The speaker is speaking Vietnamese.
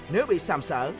bốn nếu bị sàm sở